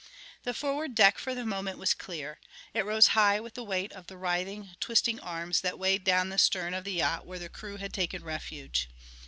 The forward deck for the moment was clear; it rose high with the weight of the writhing, twisting arms that weighed down the stern of the yacht where the crew had taken refuge.